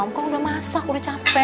aku kan udah masak udah capek